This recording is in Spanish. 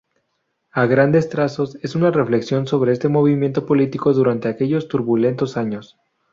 A grandes trazos, es una reflexión sobre este movimiento político durante aquellos turbulentos años.